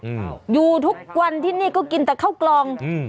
อืมอยู่ทุกวันที่นี่ก็กินแต่ข้าวกลองอืม